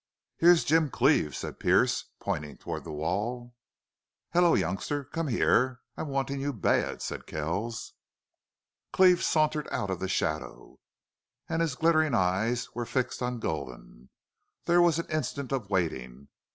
"Here's Jim Cleve," said Pearce, pointing toward the wall. "Hello, youngster! Come here. I'm wanting you bad," said Kells. Cleve sauntered out of the shadow, and his glittering eyes were fixed on Gulden. There was an instant of waiting.